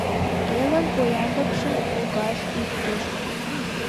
Элын поянлыкшым тӱкаш ит тошт!